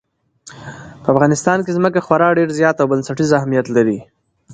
په افغانستان کې ځمکه خورا ډېر زیات او بنسټیز اهمیت لري.